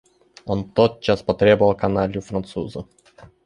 Он тотчас потребовал каналью француза.